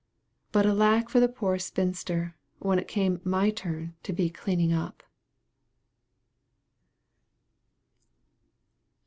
But alack for the poor spinster, when it came my turn to be cleaning up!